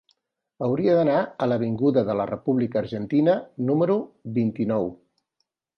Hauria d'anar a l'avinguda de la República Argentina número vint-i-nou.